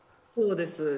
そうです。